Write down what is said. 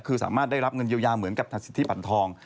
คือสามารถได้รับเงินเยียวยาเหมือนกับสิทธิปันทอง